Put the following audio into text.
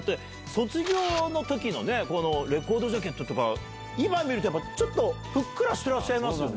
『卒業』の時のレコードジャケットとか今見るとちょっとふっくらしてらっしゃいますよね。